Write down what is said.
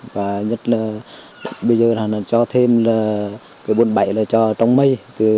và bắt đầu cho thu nhập